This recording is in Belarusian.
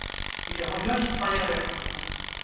У яго ёсць свае рэплікі.